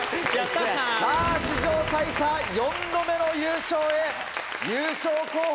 さぁ史上最多４度目の優勝へ！